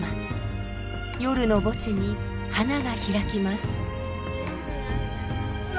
夜の墓地に花が開きます。